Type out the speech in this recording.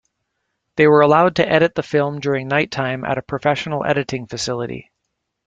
They were allowed to edit the film during nighttime at a professional editing facility.